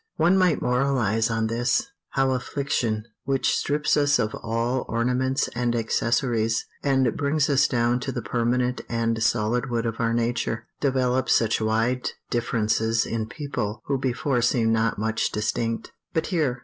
One might moralize on this how affliction, which strips us of all ornaments and accessories, and brings us down to the permanent and solid wood of our nature, develops such wide differences in people who before seemed not much distinct. But here!